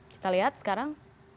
kita lihat sekarang